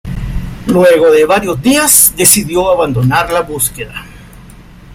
Luego de varios días decidió abandonar la búsqueda.